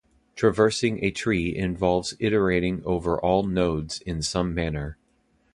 Traversing a tree involves iterating over all nodes in some manner.